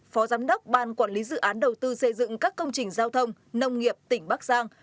phó giám đốc ban quản lý dự án đầu tư xây dựng các công trình giao thông nông nghiệp tỉnh bắc giang